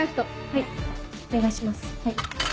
はい。